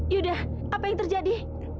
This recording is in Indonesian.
yuda apa yang terjadi